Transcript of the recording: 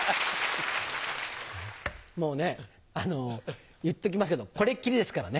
もうねあの言っときますけどこれっきりですからね。